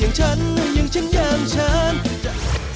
สุดท้ายสุดท้ายสุดท้ายสุดท้าย